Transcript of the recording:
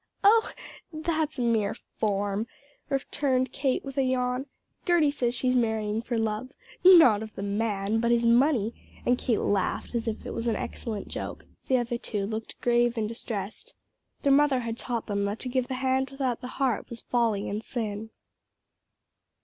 "Oh, that's a mere form!" returned Kate with a yawn. "Gerty says she's marrying for love not of the man but his money," and Kate laughed as if it was an excellent joke. The other two looked grave and distressed, their mother had taught them that to give the hand without the heart was folly and sin.